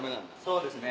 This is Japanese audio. そうですね。